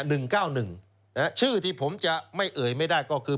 หนึ่งเก้าหนึ่งนะฮะชื่อที่ผมจะไม่เอ่ยไม่ได้ก็คือ